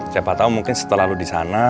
siapa tau mungkin setelah lu disana